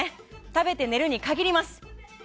食べて寝るに限ります！